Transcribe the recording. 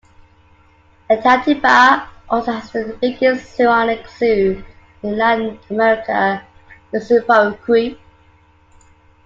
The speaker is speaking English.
Itatiba also has the biggest thematic zoo in Latin America, the "Zooparque".